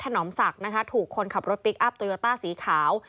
นอมศักดิ์นะคะถูกคนขับรถพลิกอัพโยต้าสีขาว